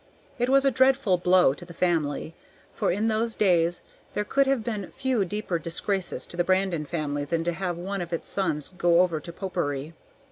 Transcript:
It was a dreadful blow to the family; for in those days there could have been few deeper disgraces to the Brandon family than to have one of its sons go over to popery.